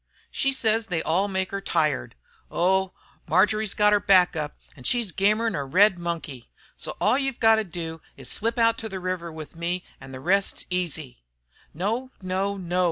She says they all make her tired. Oh! Marjory's got her back up an' she's gamer 'n a red monkey. So all you've got to do is slip out to the river with me an' the rest's easy." "No! No! No!"